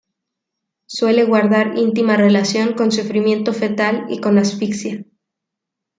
Suele guardar íntima relación con sufrimiento fetal y con asfixia.